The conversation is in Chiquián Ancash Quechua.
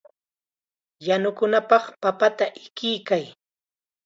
Yanukunapaq papata ikiykay.